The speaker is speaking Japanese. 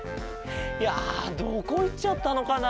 いやどこいっちゃったのかな？